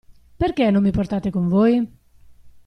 Perché non mi portate con voi?